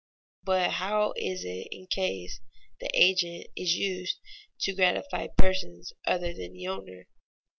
But how is it in case the agent is used to gratify persons other than the owner?